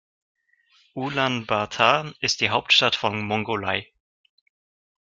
Ulaanbaatar ist die Hauptstadt von Mongolei.